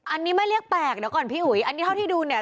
อันนี้ไม่เรียกแปลกเดี๋ยวก่อนพี่อุ๋ยอันนี้เท่าที่ดูเนี่ย